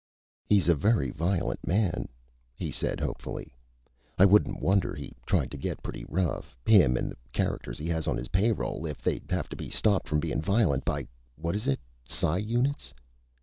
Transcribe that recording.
"He's a very violent man," he said hopefully. "I wouldn't wonder he tried to get pretty rough him and the characters he has on his payroll. If they have to be stopped from bein' violent by what is it? Psi units?